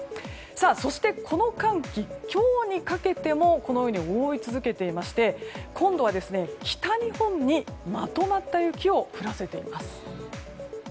そして、この寒気今日にかけてもこのように覆い続けていまして今度は北日本にまとまった雪を降らせています。